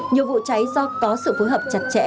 nhiều vụ cháy do có sự phối hợp chặt chẽ